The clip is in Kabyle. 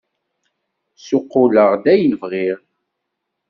Ssuqquleɣ-d ayen bɣiɣ!